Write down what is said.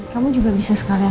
kamu juga bisa sekalian